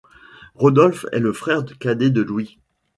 Rodolphe est le frère cadet de Louis.